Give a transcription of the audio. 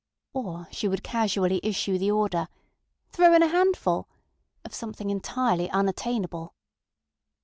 Or, she would casually issue the order, ŌĆśThrow in a handfulŌĆÖ of something entirely unattainable.